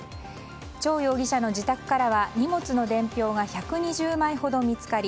チョウ容疑者の自宅からは荷物の伝票が１２０枚ほど見つかり